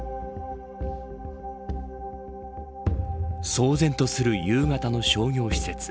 騒然とする夕方の商業施設。